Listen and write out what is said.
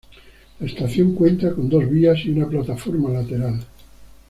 La estación cuenta con dos vías y una plataforma lateral.